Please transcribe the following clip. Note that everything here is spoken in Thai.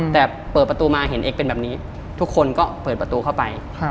แต่เปิดประตูมาเห็นเอ็กซเป็นแบบนี้ทุกคนก็เปิดประตูเข้าไป